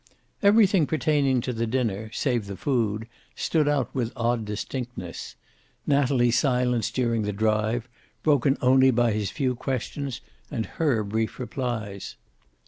Everything pertaining to the dinner, save the food, stood out with odd distinctness. Natalie's silence during the drive, broken only by his few questions and her brief replies.